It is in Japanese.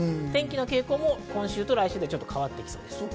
天気の傾向も今週と来週で変わってきそうです。